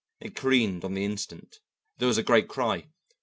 It careened on the instant. There was a great cry.